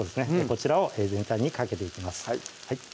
こちらを全体にかけていきます